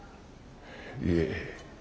いえ。